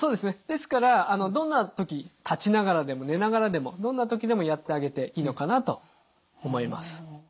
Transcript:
ですからどんな時立ちながらでも寝ながらでもどんな時でもやってあげていいのかなと思います。